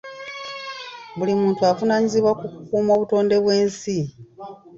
Buli muntu avunaanyizibwa ku kukuuma obutonde bw'ensi.